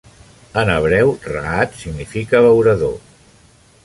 En hebreu, "rahat" significa 'abeurador'.